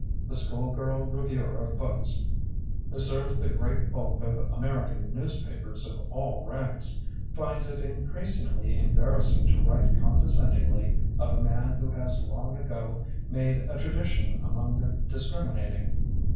The schoolgirl reviewer of books, who serves the great bulk of Ameri can newspapers of all ranks, finds it increasingly embarrassing to write condescendingly of a man who has long ago made a tradition among the discriminating.